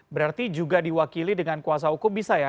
berarti juga diwakili dengan kuasa hukum bisa ya